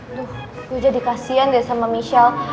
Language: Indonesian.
aduh gue jadi kasian deh sama michelle